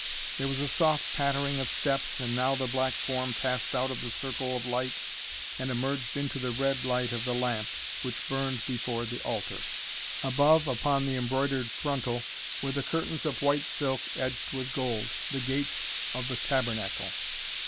There was a soft pattering of steps and now the black form passed out of the circle of light and emerged into the red light of the lamp, which burned before the altar. Above, upon the embroidered frontal, were the curtains of white silk edged with gold the gates of the tabernacle.